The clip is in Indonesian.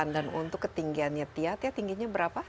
lima puluh delapan dan untuk ketinggiannya tia tia tingginya berapa